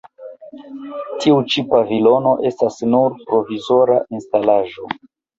Tiu ĉi pavilono estas nur provizora instalaĵo.